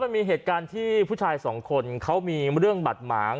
มันมีเหตุการณ์ที่ผู้ชายสองคนเขามีเรื่องบัดหมาง